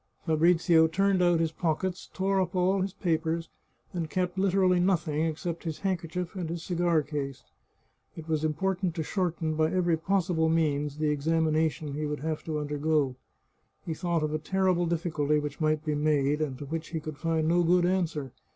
Fabrizio turned out his pockets, tore up all his papers, and kept literally nothing except his handkerchief and his cigar case. It was important to shorten, by every possible means, the examination he would have to undergo. He thought of a terrible difficulty which might be made, and to which he could find no good answer.